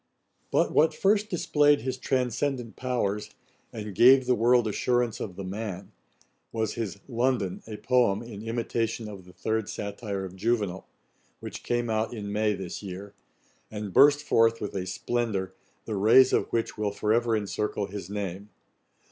[Page 119: Oldham and Johnson compared. Ætat 29.] But what first displayed his transcendent powers, and 'gave the world assurance of the MAN,' was his London, a Poem, in Imitation of the Third Satire of Juvenal: which came out in May this year, and burst forth with a splendour, the rays of which will for ever encircle his name.